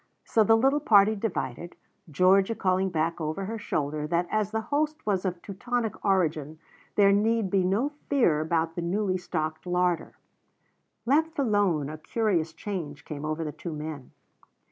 So the little party divided, Georgia calling back over her shoulder that as the host was of Teutonic origin, there need be no fear about the newly stocked larder. Left alone a curious change came over the two men.